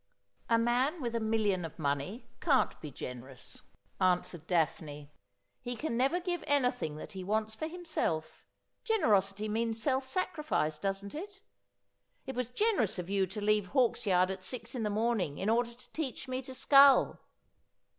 ' A man with a million of money can't be generous,' an swered Daphne ;' he can never give anything that he wants for himself. Generosity means self sacrifice, doesn't it? It was generous of you to leave Hawksyard at six in the morning in order to teach me to scull.'